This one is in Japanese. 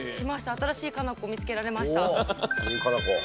新しい佳菜子を見つけられました。